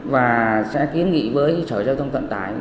và sẽ kiến nghị với sở giao thông vận tải